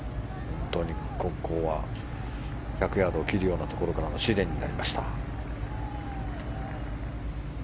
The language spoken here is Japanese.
本当にここは１００ヤードを切るところから試練になりました。